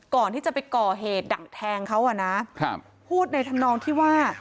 ก่อนที่จะไปก่อเหตุดักแทงเขาอ่ะนะครับพูดในธรรมนองที่ว่า